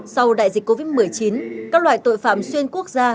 sau đại dịch covid một mươi chín các loại tội phạm xuyên quốc gia